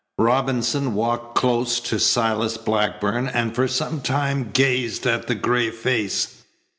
Robinson walked close to Silas Blackburn and for some time gazed at the gray face.